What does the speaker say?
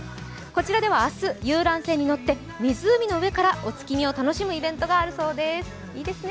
こちらでは明日、遊覧船に乗って湖の上からお月見を楽しむイベントがあるそうです。